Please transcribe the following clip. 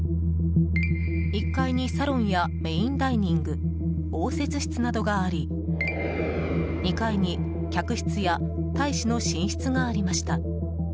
１階にサロンやメインダイニング応接室などがあり２階に客室や大使の寝室がありました。